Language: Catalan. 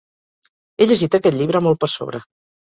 He llegit aquest llibre molt per sobre.